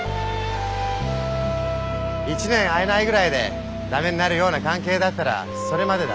１年会えないぐらいで駄目になるような関係だったらそれまでだ。